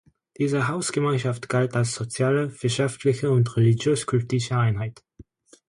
Diese Hausgemeinschaft galt als soziale, wirtschaftliche und religiös-kultische Einheit.